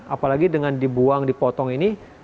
apalagi dengan dibuang dipotong ini